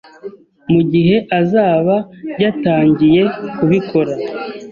mu gihe azaba yatangiye kubikora